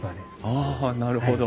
ああなるほど。